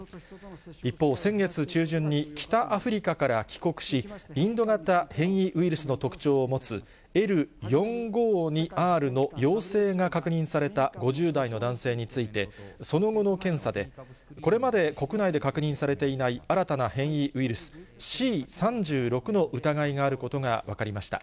一方、先月中旬に北アフリカから帰国し、インド型変異ウイルスの特徴を持つ、Ｌ４５２Ｒの陽性が確認された５０代の男性について、その後の検査で、これまで国内で確認されていない新たな変異ウイルス、Ｃ３６の疑いがあることが分かりました。